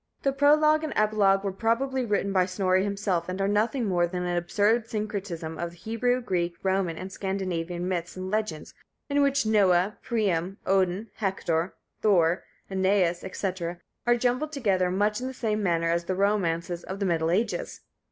The Prologue and Epilogue were probably written by Snorre himself, and are nothing more than an absurd syncretism of Hebrew, Greek, Roman, and Scandinavian myths and legends, in which Noah, Priam, Odin, Hector, Thor, Æneas, &c, are jumbled together much in the same manner as in the romances of the Middle Ages.